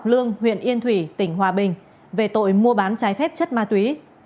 lương huyện yên thủy tỉnh hòa bình về tội mua bán trái phép chất ma túy